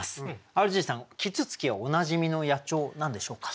ＲＧさん啄木鳥はおなじみの野鳥なんでしょうか？